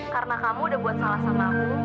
karena kamu udah buat salah sama aku